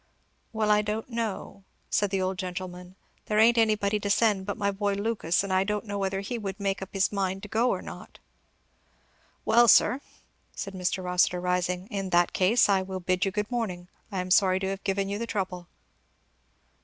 "Well I don't know, " said the old gentleman; "there ain't anybody to send but my boy Lucas, and I don't know whether he would make up his mind to go or not." "Well sir!" said Mr. Rossitur rising, "in that case I will bid you good morning. I am sorry to have given you the trouble."